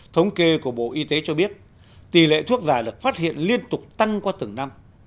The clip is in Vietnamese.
thống kê của bộ y tế cho biết tỷ lệ thuốc giả được phát hiện liên tục tăng qua từng năm